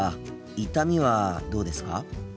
痛みはどうですか？